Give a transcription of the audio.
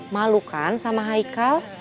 malu kan sama haikal